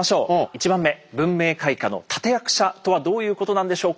１番目「文明開化の立て役者」とはどういうことなんでしょうか。